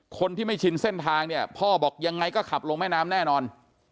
คนที่ไม่ชินเส้นทางเนี่ยพ่อบอกยังไงก็ขับลงแม่น้ำแน่นอน